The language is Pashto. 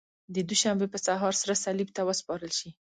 د دوشنبې په سهار سره صلیب ته وسپارل شي.